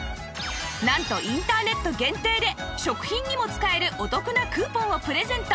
なんとインターネット限定で食品にも使えるお得なクーポンをプレゼント